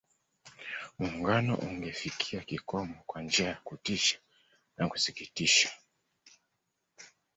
Muungano ungefikia kikomo kwa njia ya kutisha na kusikitisha